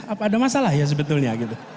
apa ada masalah ya sebetulnya gitu